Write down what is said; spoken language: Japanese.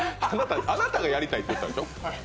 あなたがやりたいって言ったんでしょ。